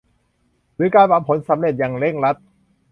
หรือการหวังผลสำเร็จอย่างเร่งรัด